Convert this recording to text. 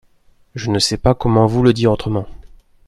Je ne sais pas comment vous le dire autrement.